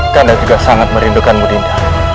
karena juga sangat merindukanmu dinda